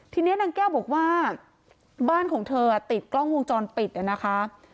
ทีนี้นางแก้วบอกว่าบ้านของเธอติดกล้องวงจรปิดนะคะ